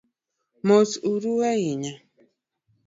Mos huru ahinya .